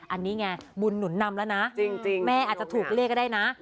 อันนี้ไงบุญหนุนนำแล้วนะจริงแม่อาจจะถูกเรียกก็ได้นะ